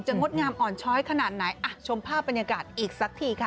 งดงามอ่อนช้อยขนาดไหนอ่ะชมภาพบรรยากาศอีกสักทีค่ะ